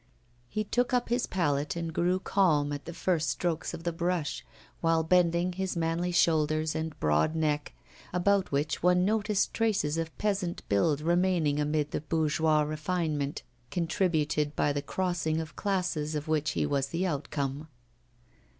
He took up his palette and grew calm at the first stroke of the brush, while bending his manly shoulders and broad neck, about which one noticed traces of peasant build remaining amid the bourgeois refinement contributed by the crossing of classes of which he was the outcome.